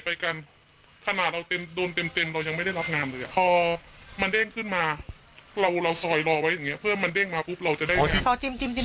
พอมันเด้งขึ้นมาเราสอยรอไว้อย่างนี้เพื่อมันเด้งมาปุ๊บเราจะได้งาน